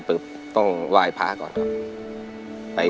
ที่มันให้ผู้หญิงใจ